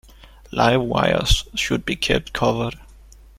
Live wires should be kept covered.